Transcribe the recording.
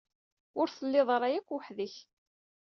Ur tettiliḍ ara yakk weḥd-k.